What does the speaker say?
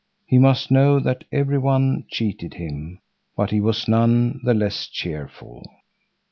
He must know that every one cheated him, but he was none the less cheerful.